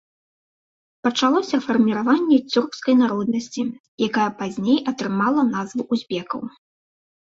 Пачалося фарміраванне цюркскай народнасці, якая пазней атрымала назву узбекаў.